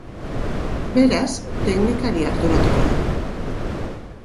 Beraz, teknikaria arduratuko da.